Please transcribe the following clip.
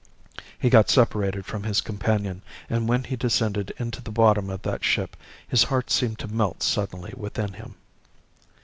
He got separated from his companion, and when he descended into the bottom of that ship his heart seemed to melt suddenly within him.